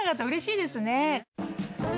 うれしいですね。